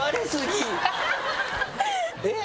えっ？